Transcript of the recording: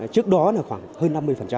trước đó là khoảng hơn năm mươi